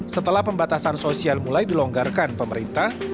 setelah pembatasan sosial mulai dilonggarkan pemerintah